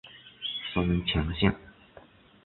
松前线。